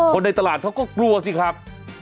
ในตลาดเขาก็กลัวสิครับ